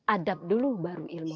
adab dulu baru ilmu